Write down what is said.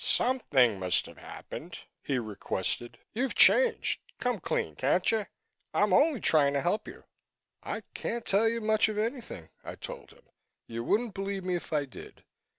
"Something must have happened," he requested. "You've changed. Come clean, can't you? I'm only trying to help you." "I can't tell you much of anything," I told him. "You wouldn't believe me if I did.